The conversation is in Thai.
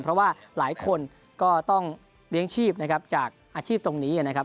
เพราะว่าหลายคนก็ต้องเลี้ยงชีพนะครับจากอาชีพตรงนี้นะครับ